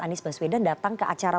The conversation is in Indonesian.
anies baswedan datang ke acara